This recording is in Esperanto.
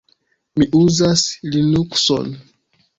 Mi uzas Linukson.